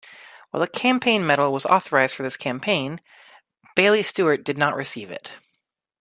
While a campaign medal was authorised for this campaign, Baillie-Stewart did not receive it.